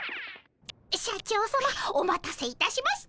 社長さまお待たせいたしました。